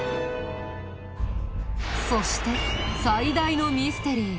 そして最大のミステリー